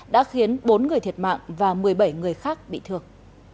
đã khiến bốn người thiệt mạng và một mươi bảy người khác bị thương